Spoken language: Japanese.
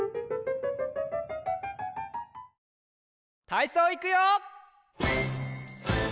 たいそういくよ！